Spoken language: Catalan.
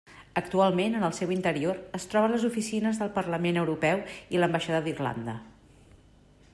Actualment en el seu interior es troben les oficines del Parlament Europeu i l'Ambaixada d'Irlanda.